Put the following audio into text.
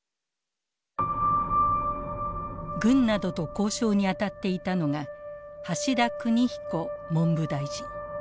軍などと交渉に当たっていたのが橋田邦彦文部大臣。